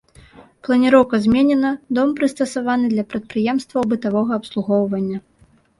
Планіроўка зменена, дом прыстасаваны для прадпрыемстваў бытавога абслугоўвання.